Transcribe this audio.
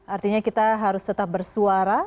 artinya kita harus tetap bersuara